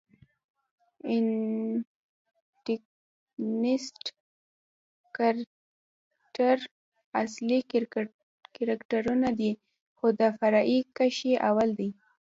انټکنیسټ کرکټراصلي کرکټرنه دئ، خو د فرعي کښي اول دئ.